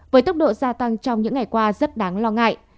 với tốc độ gia tăng trong những ngày qua rất đáng lo ngại